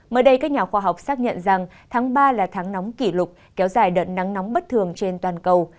mới đây các nhà khoa học xác nhận rằng tháng ba là tháng nóng kỷ lục kéo dài đợt nắng nóng bất thường trên toàn cầu